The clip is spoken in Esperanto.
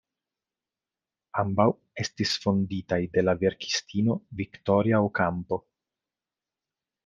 Ambaŭ estis fonditaj de la verkistino Victoria Ocampo.